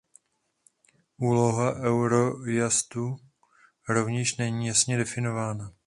Úloha Eurojustu rovněž není jasně definována.